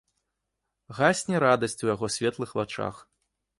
Гасне радасць у яго светлых вачах.